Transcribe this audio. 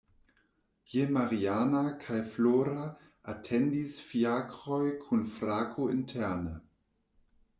Je Mariana kaj Flora atendis ﬁakroj kun frako interne.